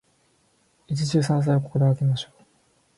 一汁三菜を心がけましょう。